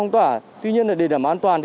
tuy nhiên để đảm bảo an toàn